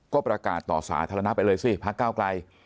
ก็ประกาศต่อสาธารณะไปเลยสิพักเก้าไกล